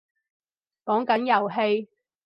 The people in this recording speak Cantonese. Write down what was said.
講緊遊戲